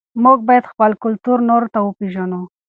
موږ باید خپل کلتور نورو ته وپېژنو.